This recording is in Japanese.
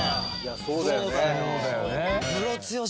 「そうだよね」